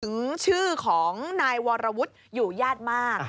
ถึงชื่อของนายวรวุฒิอยู่ญาติมาก